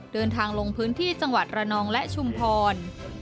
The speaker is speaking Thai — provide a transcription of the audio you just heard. เดินทางลงพื้นที่จังหวัดระนองและชุมพร